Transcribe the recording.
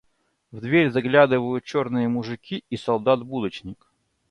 В дверь заглядывают черные мужики и солдат-будочник.